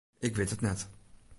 Ik wit it net.